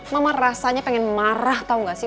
mama rasanya pengen marah tau gak sih